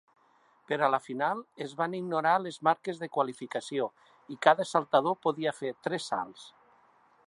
Per a la final, es van ignorar les marques de qualificació i cada saltador podia fer tres salts.